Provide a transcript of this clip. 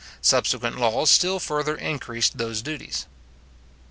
Subsequent laws still further increased those duties.